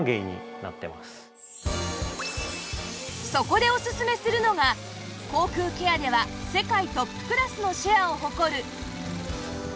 そこでおすすめするのが口腔ケアでは世界トップクラスのシェアを誇る